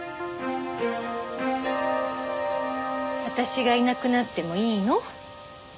私がいなくなってもいいの？